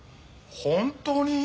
本当に？